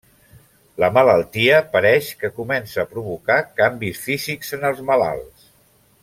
La malaltia pareix que comença a provocar canvis físics en els malalts.